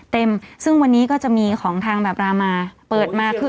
เต็มซึ่งวันนี้ก็จะมีของทางแบบรามาเปิดมาคือ